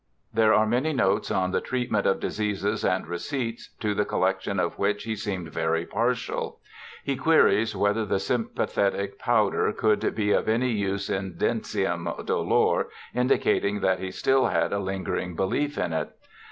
There are many notes on the treatment of diseases and receipts, to the collection of which he seemed very partial. He queries whether the sympathetic powder could be of any use in dentium dolor, indicating that he still had a lingering belief in it.